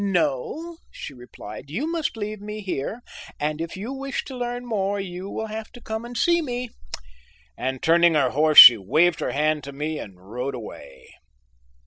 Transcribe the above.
"No," she replied, "you must leave me here and if you wish to learn more you will have to come and see me," and turning her horse she waved her hand to me and rode away.